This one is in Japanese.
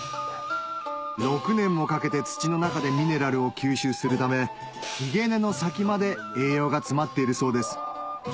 ６年もかけて土の中でミネラルを吸収するためひげ根の先まで栄養が詰まっているそうです